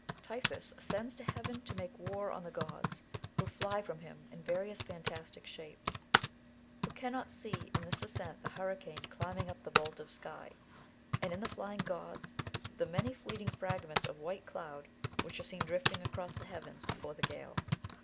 Typhoeus ascends to heaven to make war on the gods, who fly from him in various fantastic shapes ; who cannot see in this ascent the hurricane climbing up the vault of sky, and in the flying gods, the many fleeting fi*agments of white cloud which are seen drifting across the heavens before the gale